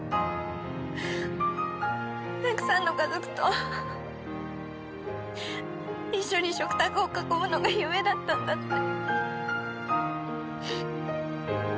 たくさんの家族と一緒に食卓を囲むのが夢だったんだって。